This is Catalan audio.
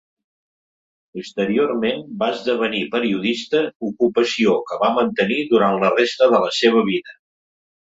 Posteriorment va esdevenir periodista, ocupació que va mantenir durant la resta de la seva vida.